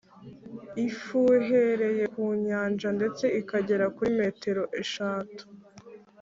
ifuhereye ku nyanja ndetse ikagera kuri metero eshatu